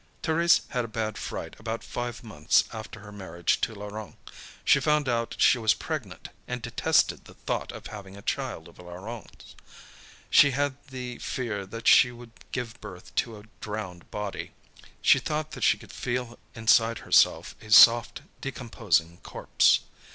Thérèse had a bad fright about five months after her marriage to Laurent. She found out she was pregnant and detested the thought of having a child of Laurent's. She had the fear that she would give birth to a drowned body. She thought that she could feel inside herself a soft, decomposing corpse.